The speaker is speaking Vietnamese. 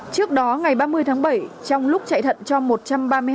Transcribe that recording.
trước đó ngày ba mươi tháng bảy trong lúc chạy thận cho một trận